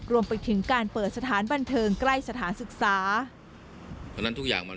รวมไปถึงการเปิดสถานบันเทิงใกล้สถานศึกษา